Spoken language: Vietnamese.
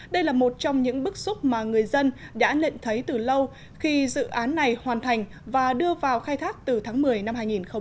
đây là một trong những bức xúc mà người dân đã nhận thấy từ lâu khi dự án này hoàn thành và đưa vào khai thác từ tháng một mươi năm hai nghìn một mươi tám